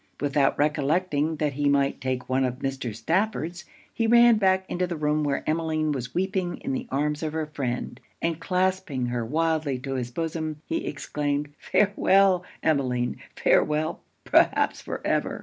Without recollecting that he might take one of Mr. Stafford's, he ran back into the room where Emmeline was weeping in the arms of her friend, and clasping her wildly to his bosom, he exclaimed 'Farewell, Emmeline! Farewell, perhaps, for ever!